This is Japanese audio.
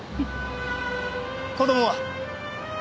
子供は？